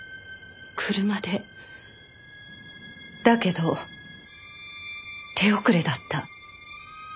だけど手遅れだった。